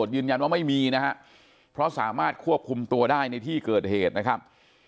ยืนยันว่าไม่มีนะฮะเพราะสามารถควบคุมตัวได้ในที่เกิดเหตุนะครับ